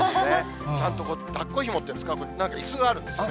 ちゃんとこう、だっこひもっていうんですか、ちゃんといすがあるんですね。